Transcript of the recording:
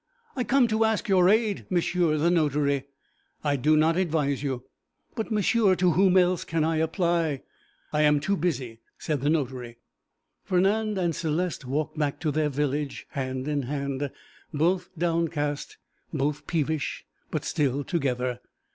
'I come to ask your aid, monsieur the notary.' 'I do not advise you.' 'But, monsieur, to whom else can I apply?' 'I am too busy,' said the notary. Fernand and Céleste walked back to their village, hand in hand, both downcast, both peevish, but still together.